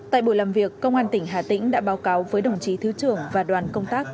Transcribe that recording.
tại buổi làm việc công an tỉnh hà tĩnh đã báo cáo với đồng chí thứ trưởng và đoàn công tác